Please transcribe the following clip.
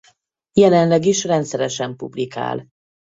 Jelenleg is rendszeresen publikál.